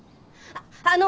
あの！